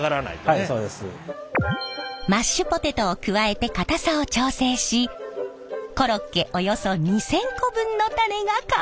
はいそうです。マッシュポテトを加えて硬さを調整しコロッケおよそ２，０００個分のタネが完成。